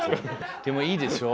でもいいでしょう。